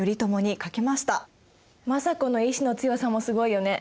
政子の意志の強さもすごいよね！